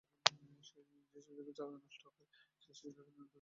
যেসব জায়গায় চারা নষ্ট হয়েছে, সেখানে নতুন করে চারা রোপণ করা হচ্ছে।